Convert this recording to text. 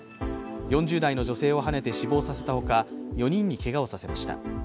４０代の女性をはねて死亡させたほか４人にけがをさせました。